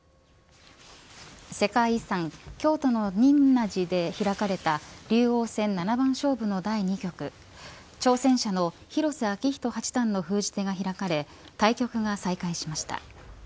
世界遺産京都の仁和寺で開かれた竜王戦七番勝負の第２局挑戦者の広瀬章人八段の封じ手が開かれ対局が再開しました。